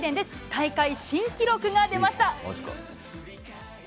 大会新記録が出ました。